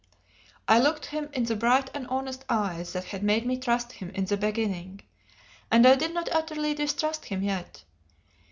I looked him in the bright and honest eyes that had made me trust him in the beginning. And I did not utterly distrust him yet.